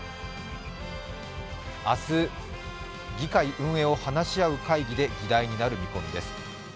明日、議会運営を話し合う会議で議題になる見込みです。